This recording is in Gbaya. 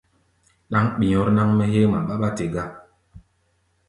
Ɗáŋ ɓi̧ɔ̧r náŋ-mɛ́ héé ŋma ɓáɓá te gá.